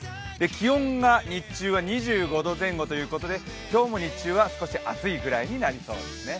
気温が日中は２５度前後ということで、今日も日中は少し暑いぐらいになりそうですね。